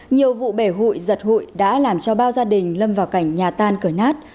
nhiều vụ bể hụi giật hụi đã làm cho bao gia đình lâm vào cảnh nhà tan cửa nát